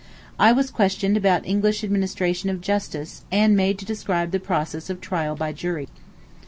I was questioned about English administration of justice, and made to describe the process of trial by jury.